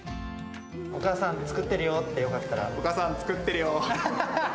お母さん、作ってるよって、お母さん、作ってるよ。